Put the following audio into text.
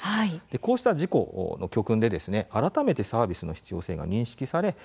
こういった事故があったので改めてサービスの必要性が認識されます。